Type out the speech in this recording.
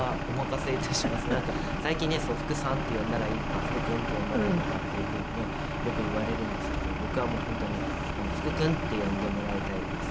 なんか最近ね「福さん」って呼んだらいいのか「福君」って呼んだらいいのかっていう風にねよく言われるんですけど僕はもう本当に「福君」って呼んでもらいたいですし。